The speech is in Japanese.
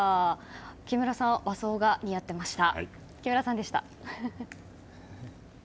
木村さん、和装が似合ってました。